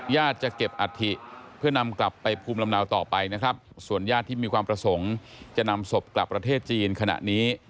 จะเก็บอัฐิเพื่อนำกลับไปภูมิลำเนาต่อไปนะครับส่วนญาติที่มีความประสงค์จะนำศพกลับประเทศจีนขณะนี้